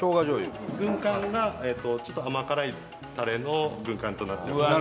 軍艦がちょっと甘辛いタレの軍艦となっております。